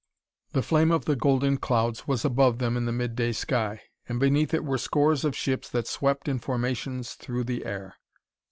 The flame of the golden clouds was above them in the midday sky, and beneath it were scores of ships that swept in formations through the air.